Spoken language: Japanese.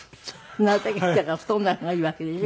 なるたけだから太らない方がいいわけでしょ？